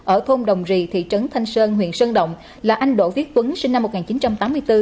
ở thôn đồng rì thị trấn thanh sơn huyện sơn động là anh đỗ viết tuấn sinh năm một nghìn chín trăm tám mươi bốn